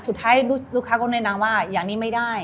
สุดท้ายลูกค้าก็แนะนำว่าอย่างนี้ไม่ได้